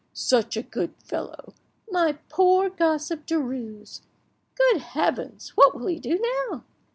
"Such a good fellow!" "My poor gossip Derues!" "Good heavens! what will he do now?"